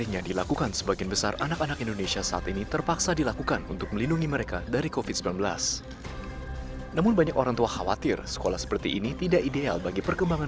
ya allah ini kapan terjadi